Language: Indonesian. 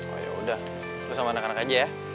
oh yaudah bersama anak anak aja ya